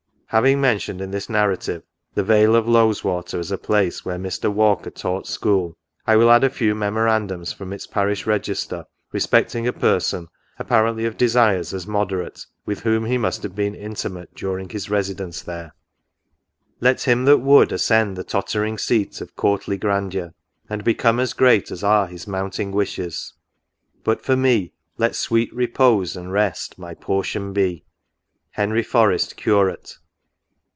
Having mentioned in this narrative the vale of Lowes water as a place where Mr. Walker taught school, I will add a few memorandums from its parish register, respecting a person apparently of desires as moderate, with whom he must have been intimate during his residence there. " Let him that would, ascend the tottering seat Of courtly grandeur, and become as great As are his mounting wishes ; but for me, Let sweet repose and rest my portion be. Henry J'oREST, Curate.